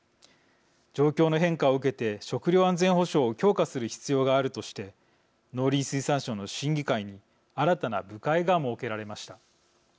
状況の変化を受けて食料安全保障を強化する必要があるとして農林水産省の審議会に新たな部会が設けられました。